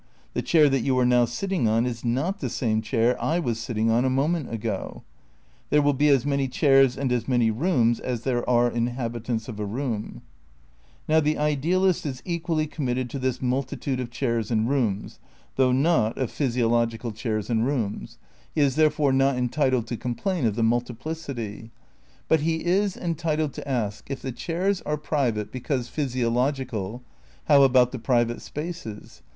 The chair that you are now sitting on is not the same chair I was sitting on a moment ago. There wiU be as many chairs and as many rooms as there are inhabitants of a room. Now the idealist is equally committed to this multi tude of chairs and rooms, though not of physiological * Sense Data and Physios (Logic and Mysticism), p. 153. • The same, p. 151. 44 THE NEW IDEALISM n chairs and rooms. He is, therefore, not entitled to complain of the multiplicity. But he is entitled to ask : If the chairs are private because physiological, how about the private spaces'?